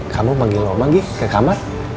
kamu panggil lo magi ke kamar